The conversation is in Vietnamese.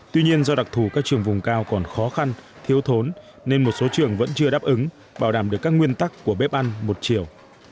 tuy nhiên do đặc thù các trường vùng cao còn khó khăn thiếu thốn nên một số trường vẫn chưa đáp ứng bảo đảm được các nguyên tắc của bếp ăn một chiều